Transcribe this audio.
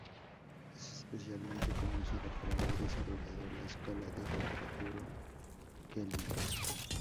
Es especialmente conocido por haber desarrollado la escala de temperatura Kelvin.